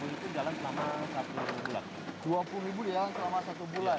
pasti kalau misalnya itu sama ini kalau dari vendor kita sih ini yang dua puluh itu jalan selama satu bulan